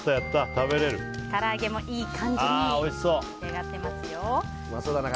から揚げもいい感じに出来上がっていますよ。